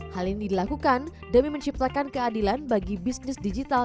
hal ini dilakukan demi menciptakan keadilan bagi bisnis digital